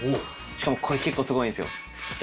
しかもこれ結構すごいんですよ。